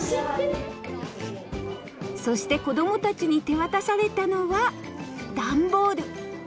そして子供たちに手渡されたのはダンボール。